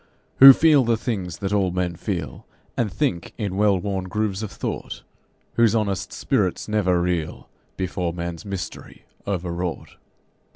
Who feel the things that all men feel, And think in well worn grooves of thought, Whose honest spirits never reel Before man's mystery, overwrought.